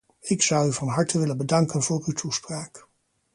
Ik zou u van harte willen bedanken voor uw toespraak.